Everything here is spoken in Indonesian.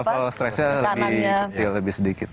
level stressnya lebih kecil lebih sedikit